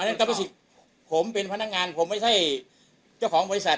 นั่นก็เป็นสิทธิ์ผมเป็นพนักงานผมไม่ใช่เจ้าของบริษัท